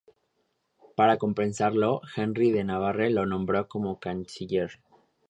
Para compensarlo, Henry de Navarre lo nombró como canciller.